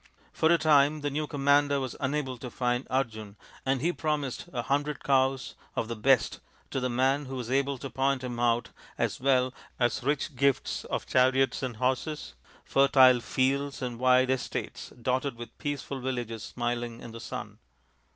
For a time the new commander was unable to find Arjun, and he promised a hundred cows of the best to the man who was able to point hini out, as well as " rich gifts of qhariots and horses, fertile fields and wide estates dotted with peaceful villages smiling in the sun."